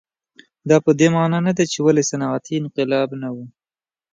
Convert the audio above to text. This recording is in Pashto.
دا په دې معنا نه ده چې ولې صنعتي انقلاب نه و.